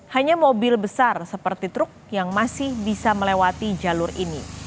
hanya mobil besar seperti truk yang masih bisa melewati jalur ini